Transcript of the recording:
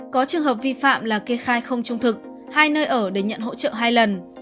có trường hợp vi phạm là kê khai không trung thực hai nơi ở để nhận hỗ trợ hai lần